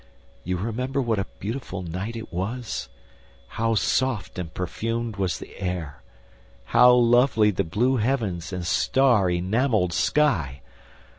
You remember what a beautiful night it was? How soft and perfumed was the air; how lovely the blue heavens and star enameled sky!